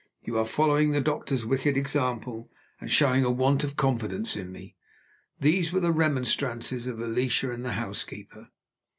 You are following the doctor's wicked example, and showing a want of confidence in me." These were the remonstrances of Alicia and the housekeeper.